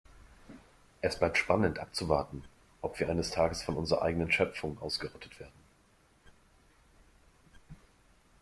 Es bleibt spannend abzuwarten, ob wir eines Tages von unserer eigenen Schöpfung ausgerottet werden.